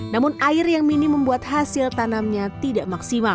namun air yang minim membuat hasil tanamnya tidak maksimal